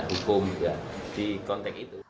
hukum di konteks itu